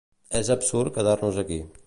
És absurd quedar-nos aquí.